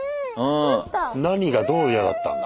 何がどう嫌だったんだ？